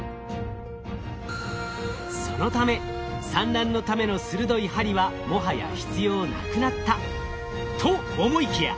そのため産卵のための鋭い針はもはや必要なくなったと思いきや。